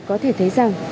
có thể thấy rằng